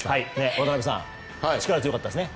渡辺さん、力強かったですね。